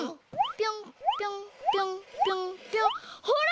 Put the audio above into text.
ぴょんぴょんぴょんぴょんぴょんほら！